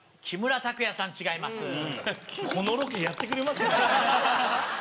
木村拓哉さん違います。